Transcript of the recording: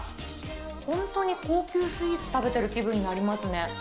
本当に高級スイーツ食べてる気分になりますね。